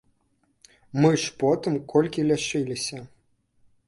Мы ж потым колькі лячыліся!